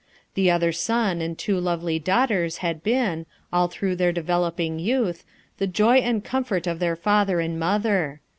The other son and two lovely daughters had been, all through their developing youth, the joy and comfort of their father and mother.